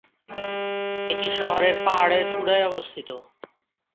এটি শহরের পাহাড়ের চূড়ায় অবস্থিত।